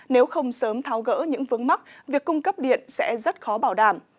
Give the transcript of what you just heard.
nếu không sớm tháo gỡ những vướng mắc việc cung cấp điện sẽ rất khó bảo đảm